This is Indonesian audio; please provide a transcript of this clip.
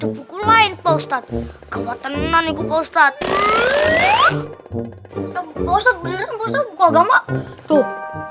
buku lain postat kawatanan ikut postat hai bostad bostad buku agama tuh